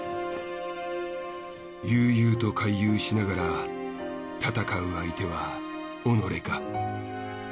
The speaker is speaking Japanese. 悠々と回遊しながら戦う相手は己か。